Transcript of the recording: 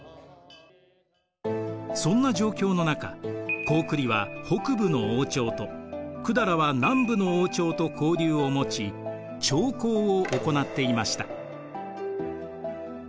そんな状況の中高句麗は北部の王朝と百済は南部の王朝と交流をもち朝貢を行っていました。